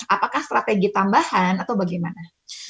apakah strategi tambahan atau bagaimana